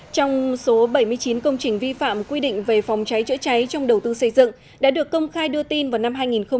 trong số bảy mươi chín công trình vi phạm quy định về phòng cháy chữa cháy trong đầu tư xây dựng đã được công khai đưa tin vào năm hai nghìn một mươi